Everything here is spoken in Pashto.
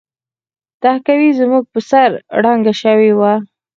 تهکوي زموږ په سر ړنګه شوې وه